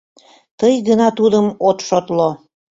Тый гына тудым от шотло.